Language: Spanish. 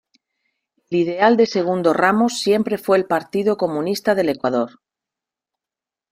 El ideal de Segundo Ramos siempre fue el Partido Comunista del Ecuador.